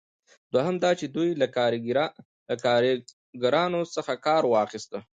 دوهم دا چې دوی له کاریګرانو څخه کار واخیست.